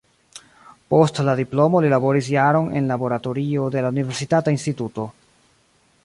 Post la diplomo li laboris jaron en laboratorio de la universitata instituto.